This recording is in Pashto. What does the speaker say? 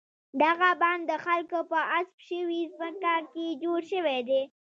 دغه بڼ د خلکو په غصب شوې ځمکه کې جوړ شوی و.